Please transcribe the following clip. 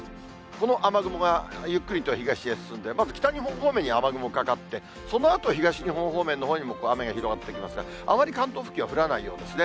この雨雲がゆっくりと東へ進んで、まず、北日本方面に雨雲かかって、そのあと、東日本方面へと雨が広がってきますが、あまり関東付近は降らないようですね。